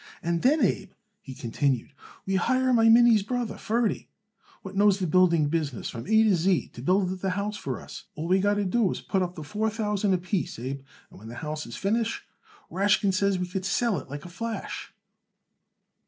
"And then, Abe," he continued, "we hire my Minnie's brother, Ferdy, what knows the building business from A to Z, to build it the house for us. All we would got to do is to put up the four thousand apiece, Abe, and when the house is finished Rashkin says we could sell it like a flash."